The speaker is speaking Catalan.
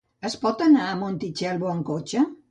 Es pot anar a Montitxelvo amb cotxe?